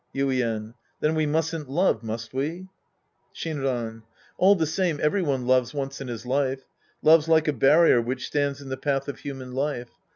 Yiden. Then we mustn't love, must ^ve ? Shinran. All the same, every one loves once in his life. Love's like a barrier which stands in the path of human life.